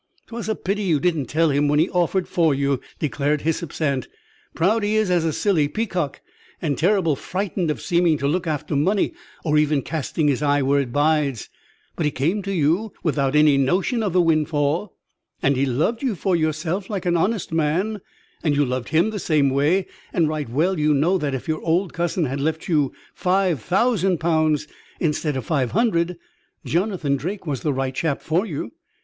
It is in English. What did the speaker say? "'Twas a pity you didn't tell him when he offered for you," declared Hyssop's aunt. "Proud he is as a silly peacock, and terrible frightened of seeming to look after money, or even casting his eye where it bides; but he came to you without any notion of the windfall, and he loved you for yourself, like an honest man; and you loved him the same way; and right well you know that if your old cousin had left you five thousand pound instead of five hundred, Jonathan Drake was the right chap for you.